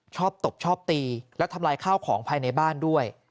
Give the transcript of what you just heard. ตบชอบตีและทำลายข้าวของภายในบ้านด้วย